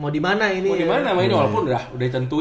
mau dimana namanya walaupun udah ditentuin ya